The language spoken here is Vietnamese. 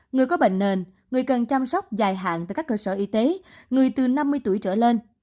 người có bệnh nền người cần chăm sóc dài hạn tại các cơ sở y tế người từ năm mươi tuổi trở lên